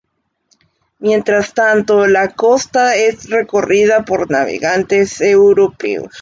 Mientras tanto, la costa es recorrida por navegantes europeos.